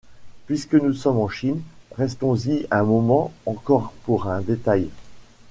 Puisque nous sommes en Chine, restons-y un moment encore pour un détail.